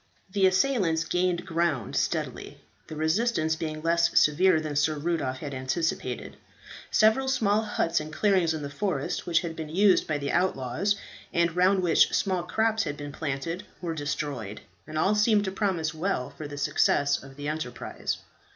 The assailants gained ground steadily, the resistance being less severe than Sir Rudolph had anticipated. Several small huts and clearings in the forest which had been used by the outlaws, and round which small crops had been planted, were destroyed, and all seemed to promise well for the success of the enterprise.